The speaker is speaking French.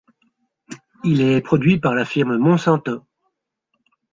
Il est produit par la firme Monsanto.